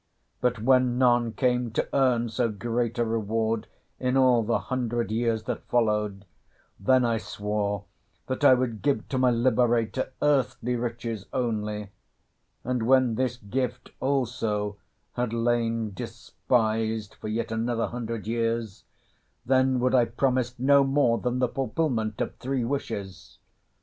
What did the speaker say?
But when none came to earn so great a reward in all the hundred years that followed, then I swore that I would give to my liberator earthly riches only; and when this gift also had lain despised for yet another hundred years, then would I promise no more than the fulfilment of three wishes.